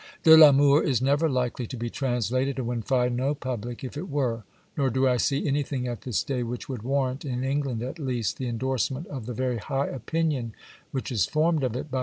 De t Amour is never likely to be translated, and would find no public if it were, nor do I see anything at this day which would warrant, in England at least, the endorsement of the very high opinion which is formed of it by M.